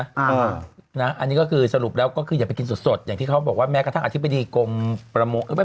อันนี้ก็คือสรุปแล้วก็คืออย่าไปกินสดอย่างที่เขาบอกว่าแม้กระทั่งอธิบดีกรมประมง